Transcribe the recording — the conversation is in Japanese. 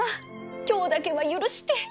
今日だけは許して！